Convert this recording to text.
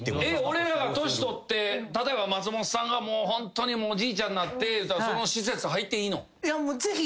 俺らが年取って例えば松本さんがホントにもうおじいちゃんになってその施設入っていいの？